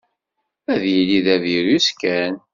Ad yili d avirus kan.